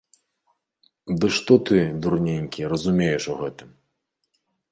Ды што ты, дурненькі, разумееш у гэтым?